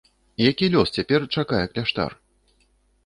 Які лёс цяпер чакае кляштар?